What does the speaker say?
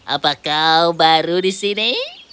apa kau baru di sini